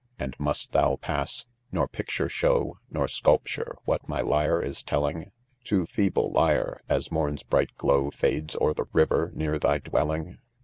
\ And must tbou pass ?— nor picture show 3 For sculpture, what my lyre is telling ?— Too feeble lyre !— as morn's bright glow Fades o'er the river near thy dwelling